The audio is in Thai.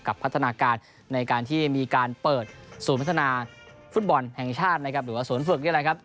กับพัฒนาการในการที่มีการเปิดสวนพัฒนาฟุตบอลแห่งชาตินะครับหรือว่าสวนฝึกก็ได้เลยครับ